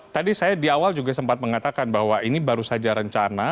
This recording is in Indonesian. tadi saya di awal juga sempat mengatakan bahwa ini baru saja rencana